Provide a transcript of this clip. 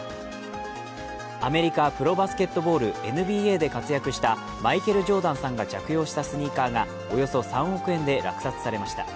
アメリカ・プロバスケットボールＮＢＡで活躍したマイケル・ジョーダンさんが着用したスニーカーがおよそ３億円で落札されました。